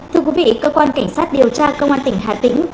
thưa quý vị cơ quan cảnh sát điều tra công an tỉnh hà tĩnh